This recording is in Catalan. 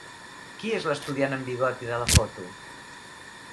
Qui és l'estudiant amb bigoti de la foto?